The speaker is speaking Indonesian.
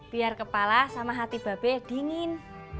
biar kepala sama hati babe dingin